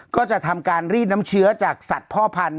ก็จะทำการรีดน้ำเชื้อจากสัตว์พ่อพันธ